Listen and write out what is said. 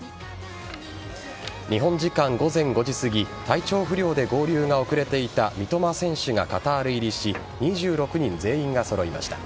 日本時間午前５時すぎ体調不良で合流が遅れていた三笘選手がカタール入りし２６人全員が揃いました。